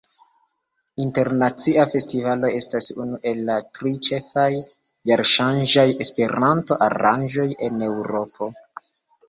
Internacia Festivalo estas unu el la tri ĉefaj jarŝanĝaj Esperanto-aranĝoj en Eŭropo.